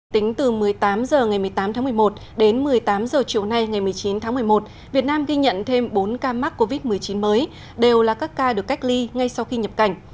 tính từ một mươi tám h ngày một mươi tám tháng một mươi một đến một mươi tám h chiều nay ngày một mươi chín tháng một mươi một việt nam ghi nhận thêm bốn ca mắc covid một mươi chín mới đều là các ca được cách ly ngay sau khi nhập cảnh